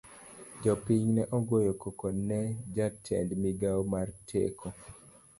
Jopiny ne ogoyo koko ne jatend migao mar teko.